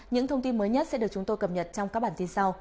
những thông tin mới nhất sẽ được chúng tôi cập nhật trong các bản tin sau